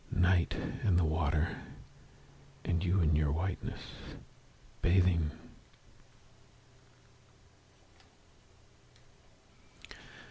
Night, and the water, and you in your whiteness, bathing!